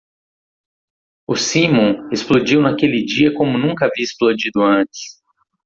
O simum explodiu naquele dia como nunca havia explodido antes.